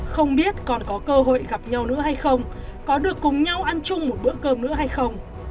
không biết còn có cơ hội gặp nhau nữa hay không có được cùng nhau ăn chung một bữa cơm nữa hay không